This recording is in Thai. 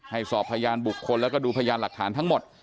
สอบพยานบุคคลแล้วก็ดูพยานหลักฐานทั้งหมด